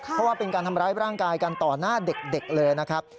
เพราะว่าเป็นการทำร้ายร่างกายกันต่อหน้าเด็กเลยนะครับ